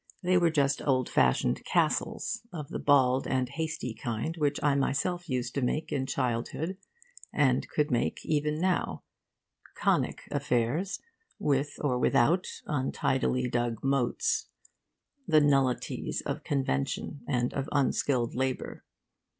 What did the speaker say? They were just old fashioned 'castles,' of the bald and hasty kind which I myself used to make in childhood and could make even now conic affairs, with or without untidily dug moats, the nullities of convention and of unskilled labour.